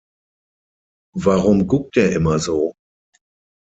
Warum guckt der immer so?